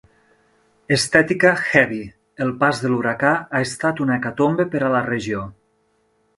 Estètica 'heavy'.El pas de l'huracà ha estat una hecatombe per a la regió.